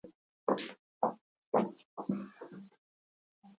Egun hunkigarria izan zen eta txapeldunak nola bizi izan zuen jakingo dugu asteon.